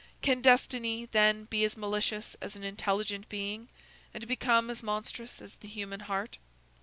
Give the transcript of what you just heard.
Can destiny, then, be as malicious as an intelligent being, and become as monstrous as the human heart?